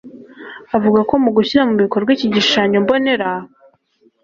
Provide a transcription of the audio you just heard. avuga ko mu gushyira mu bikorwa iki gishushanyo mbonera